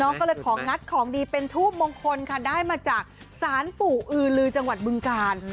ก็เลยของงัดของดีเป็นทูบมงคลค่ะได้มาจากศาลปู่อือลือจังหวัดบึงกาล